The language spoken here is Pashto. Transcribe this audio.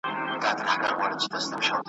موږ یو چي د دې په سر کي شور وینو ,